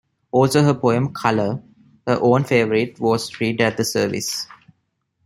Also her poem "Colour", her own favourite, was read at the service.